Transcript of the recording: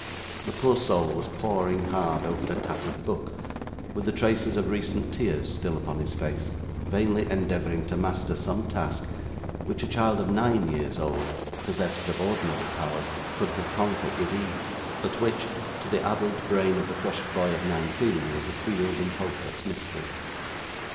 The poor soul was poring hard over a tattered book, with the traces of recent tears still upon his face; vainly endeavouring to master some task which a child of nine years old, possessed of ordinary powers, could have conquered with ease, but which, to the addled brain of the crushed boy of nineteen, was a sealed and hopeless mystery.